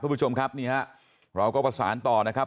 คุณผู้ชมครับนี่ฮะเราก็ประสานต่อนะครับ